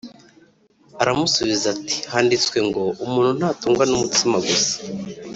’ Aramusubiza ati ‘Handitswe ngo Umuntu ntatungwa n’umutsima gusa